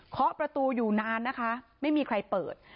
ขอประตูอยู่นานนะคะไม่มีใครเปิด